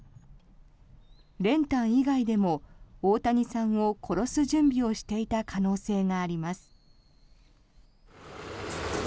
練炭以外でも大谷さんを殺す準備をしていた可能性があります。